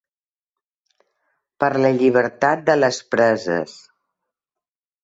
Per la llibertat de les preses.